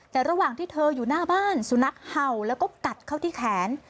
แต่ระหว่างที่เธออยู่หน้าบ้าน